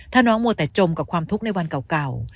ถ้าน้องมัวแต่จมกับความทุกข์ในวันเก่า